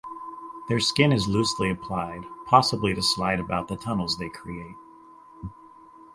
Their skin is loosely applied, possibly to slide about the tunnels they create.